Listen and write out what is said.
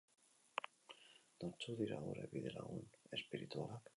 Nortzuk dira gure bidelagun espiritualak?